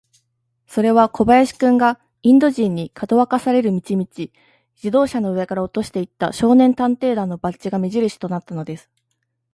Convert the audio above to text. それは小林君が、インド人に、かどわかされる道々、自動車の上から落としていった、少年探偵団のバッジが目じるしとなったのです。